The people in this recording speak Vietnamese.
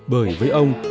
bởi với ông